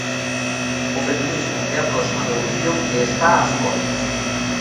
O feminismo é a próxima revolución e está ás portas.